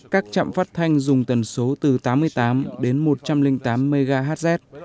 các chạm phát thanh dùng tần số từ tám mươi tám đến một trăm linh tám mhz